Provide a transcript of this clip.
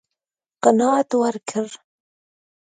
قناعت ورکړ.